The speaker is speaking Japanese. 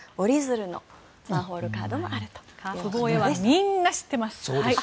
みんな知ってます。